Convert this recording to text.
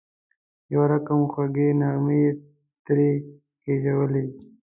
یو رقم خوږې نغمې یې ترې خېژولې.